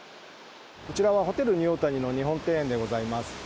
こちらはホテルニューオータニの日本庭園でございます。